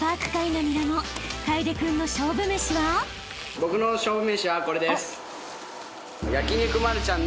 僕の勝負めしはこれです。